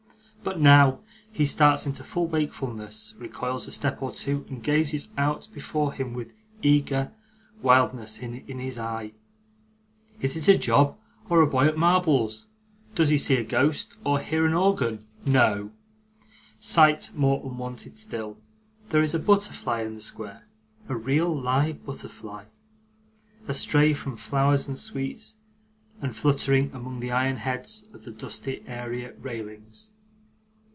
But now, he starts into full wakefulness, recoils a step or two, and gazes out before him with eager wildness in his eye. Is it a job, or a boy at marbles? Does he see a ghost, or hear an organ? No; sight more unwonted still there is a butterfly in the square a real, live butterfly! astray from flowers and sweets, and fluttering among the iron heads of the dusty area railings.